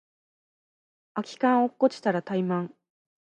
空き缶落っこちたらタイマン